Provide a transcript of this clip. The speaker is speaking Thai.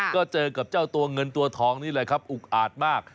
ก็เจอกับเจ้าตัวเงินตัวทองนี่แหละครับอุกอาดมาก